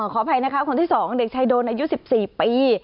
ขออภัยนะคะคนที่๒เด็กชายโดนอายุ๑๔ปี